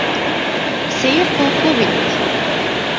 Сәйер холоҡло бит.